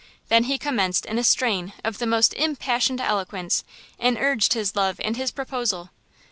Then he commenced in a strain of the most impassioned eloquence and urged his love and his proposal.